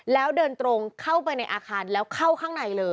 แล้วเดินตรงเข้าไปในอาคารแล้วเข้าข้างในเลย